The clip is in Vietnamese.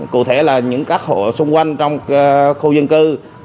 cụ thể là những các hộ xung quanh trong khu dân cư